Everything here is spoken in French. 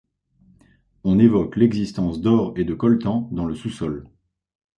On évoque l'existence d'or et de coltan dans le sous-sol.